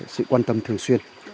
sự quan tâm thường xuyên